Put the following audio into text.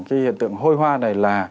cái hiện tượng hôi hoa này là